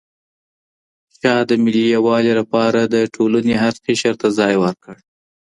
شاه د ملي یووالي لپاره د ټولنې هر قشر ته ځای ورکړ.